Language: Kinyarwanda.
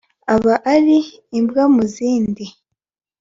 aba ali imbwa mu zindi